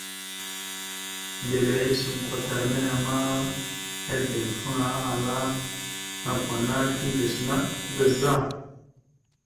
Mbile iceŋ kwatar nehe ma, ideŋfaŋa, ahala: « Nakw ana kimbirec naɗ da za? ».